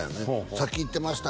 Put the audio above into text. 「さっき行ってました」